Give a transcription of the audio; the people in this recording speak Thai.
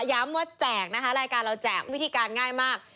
ย้ำว่าแจกนะคะรายการเราแจกวิธีการง่ายมาก